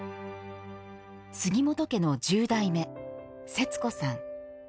杉本家の十代目、節子さん。